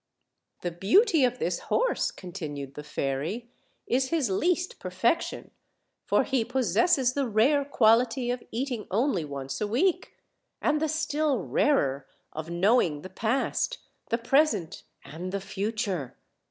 "The beauty of this horse," continued the fairy, "is his least perfection; for he possesses the rare quality of eating only once a week; and the still rarer, of knowing 84 OLD, OLD FAIRY TALES. the past, the present, and the future.